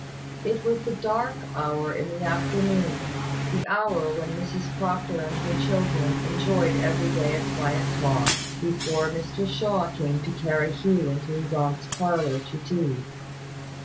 It was the dark hour in the afternoon the hour when Mrs Proctor and her children enjoyed every day a quiet talk, before Mr Shaw came to carry Hugh into his aunt's parlour to tea.